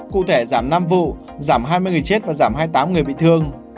cụ thể giảm năm vụ giảm hai mươi người chết và giảm hai mươi tám người bị thương